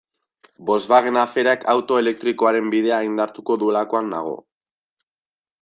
Volkswagenen aferak auto elektrikoaren bidea indartuko duelakoan nago.